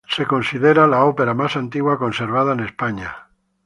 Es considerada la ópera más antigua conservada en España.